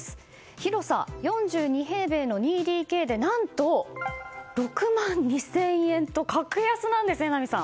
広さ４２平米の２ＤＫで何と６万２０００円と格安なんです、榎並さん。